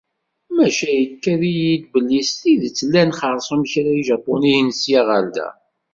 Maca ikad-iyi-d belli s tidet llan xersum kra Ijapuniyen ssya ɣer da.